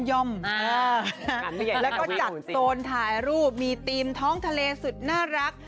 แล้วก็จัดโซนถ่ายรูปมีธีมท้องทะเลสุดน่ารัก